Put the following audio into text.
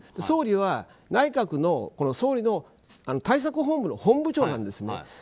総理は内閣の総理の対策本部の本部長なんですね。